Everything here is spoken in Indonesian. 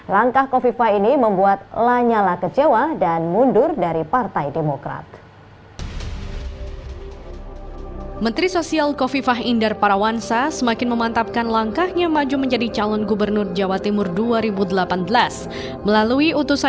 langkah kofifa ini membuat lanyala kecewa dan mundur dari partai demokrat